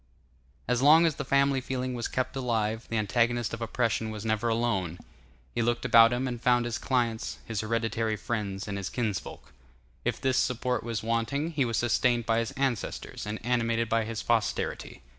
As long as family feeling was kept alive, the antagonist of oppression was never alone; he looked about him, and found his clients, his hereditary friends, and his kinsfolk. If this support was wanting, he was sustained by his ancestors and animated by his posterity.